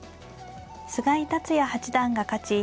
菅井竜也八段が勝ち